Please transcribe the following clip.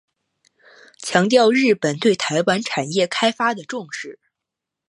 强调日本对台湾产业开发的重视。